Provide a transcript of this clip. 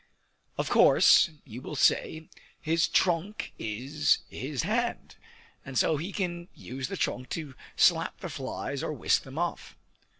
Of course, you will say, his trunk is his hand; and so he can use the trunk to slap the flies or whisk them off.